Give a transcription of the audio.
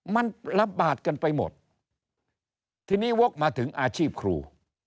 มันระบาดกันไปหมดทีนี้วกมาถึงอาชีพครู